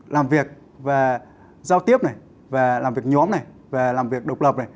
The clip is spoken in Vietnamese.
làm việc giao tiếp làm việc nhóm làm việc độc lập